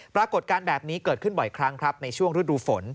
ปรากฏการณ์แบบนี้เกิดขึ้นบ่อยครั้งครับในช่วงฤดูฝน